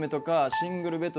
『シングルベッド』。